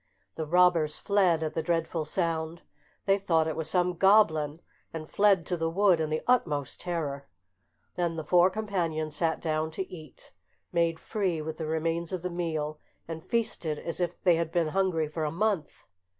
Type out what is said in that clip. The robbers fled at the dreadful sound; they thought it was some goblin, and fled to the wood in the utmost terror. Then the four companions sat down to table, made free with the remains of the meal, and feasted as if they had been hungry for a month.